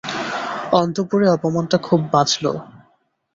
অন্তঃপুরে অপমানটা খুব বাজল।